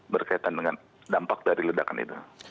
berkaitan dengan dampaknya